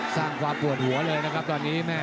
สร้างความปวดหัวเลยนะครับตอนนี้แม่